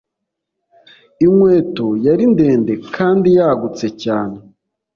inkweto yari ndende kandi yagutse cyane